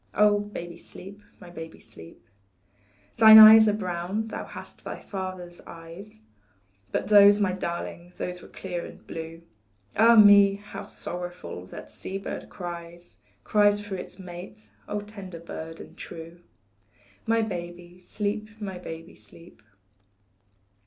Oh, baby, sleep, my baby, sleep. Thine eyes are brown thou hast thy father's eyes, But those, my darling, those were clear and blue, Ah, me! how sorrowfully that sea bird cries, Cries for its mate, oh, tender bird and true; My, baby, sleep, my baby, sleep.